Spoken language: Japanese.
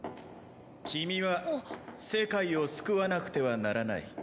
君は世界を救わなくてはならない。